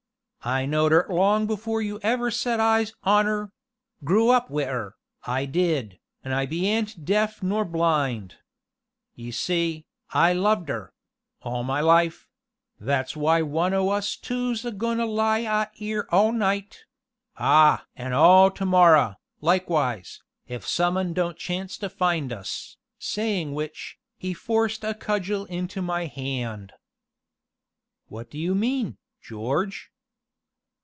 "I knowed 'er long afore you ever set eyes on 'er grew up wi' 'er, I did, an' I bean't deaf nor blind. Ye see, I loved 'er all my life that's why one o' us two's a goin' to lie out 'ere all night ah! an' all to morrow, likewise, if summun don't chance to find us," saying which, he forced a cudgel into my hand. "What do you mean, George?"